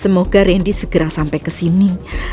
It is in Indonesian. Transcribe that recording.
semoga rendy segera sampai kesini